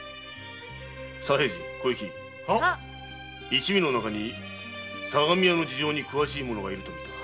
一味の中に相模屋の事情に詳しい者がいるとみた。